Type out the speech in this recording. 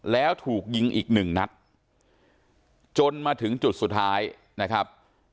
แล้วถูกยิงอีกหนึ่งนัดจนมาถึงจุดสุดท้ายนะครับ